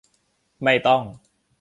ไม่ต้อง